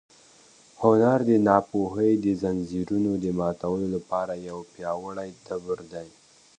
هنر د ناپوهۍ د ځنځیرونو د ماتولو لپاره یو پیاوړی تبر دی.